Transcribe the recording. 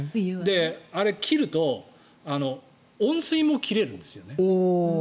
あれ、切ると温水も切れるんですね。